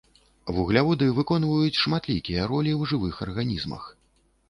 Вугляводы выконваюць шматлікія ролі ў жывых арганізмах.